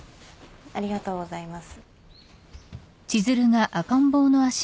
ありがとうございます。